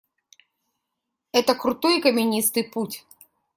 Это крутой и каменистый путь.